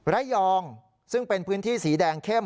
ระยองซึ่งเป็นพื้นที่สีแดงเข้ม